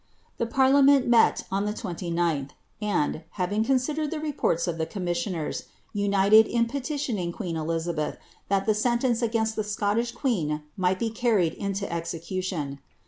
The parliament met on the 29th, and, having considered the reports >f the commissioners, united in petitioning queen Elizabeth that the sen »ice against the Scottish queen might be carried into execution.